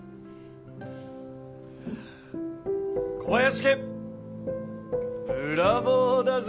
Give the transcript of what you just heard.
小林家ブラボーだぜ。